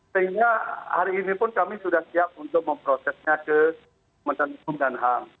sehingga hari ini pun kami sudah siap untuk memprosesnya ke kementerian hukum dan ham